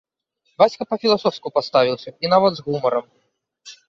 Бацька па-філасофску паставіўся, і нават з гумарам.